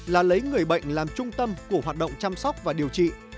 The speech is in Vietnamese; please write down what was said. là lấy người bệnh làm trung tâm của hoạt động chăm sóc và điều trị